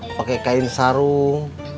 pakai kain sarung